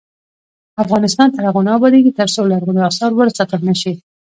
افغانستان تر هغو نه ابادیږي، ترڅو لرغوني اثار وساتل نشي.